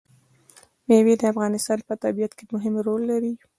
مېوې د افغانستان په طبیعت کې مهم رول لري.